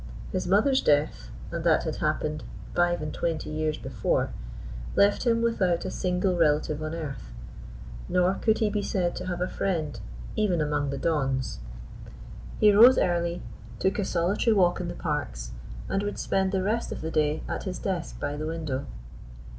His mother's death and that had happened five and twenty years before left him without a single relative on earth: nor could he be said to have a friend, even among the dons. He rose early, took a solitary walk in the parks, and would spend the rest of the day at his desk by the window.